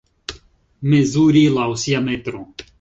Mezuri laŭ sia metro.